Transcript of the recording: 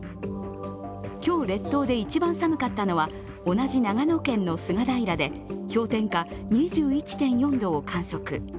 今日、列島で一番寒かったのは同じ長野県の菅平で氷点下２１．４度を観測。